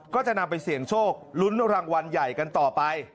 ก็จะนำไปเสี่ยงโชคลุ้นรางวัลใหญ่กันต่อไป